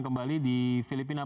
kembali di filipina